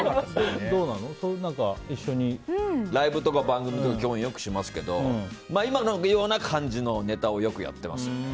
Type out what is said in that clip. ライブとか番組で共演はよくしますけど今のような感じのネタをよくやってます。